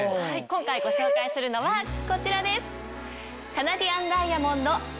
今回ご紹介するのはこちらです。